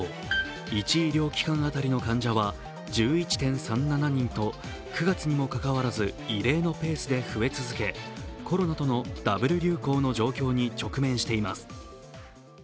１医療機関当たりの患者は１１．３７人と９月にもかかわらず異例のペースで増え続け、コロナとのダブル流行の状況に直面しています